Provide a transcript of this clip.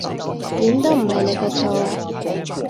點都唔係你嘅錯呀